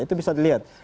itu bisa dilihat